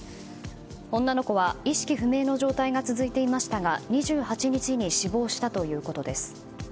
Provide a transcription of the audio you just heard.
女の子は、意識不明の状態が続いていましたが２８日に死亡したということです。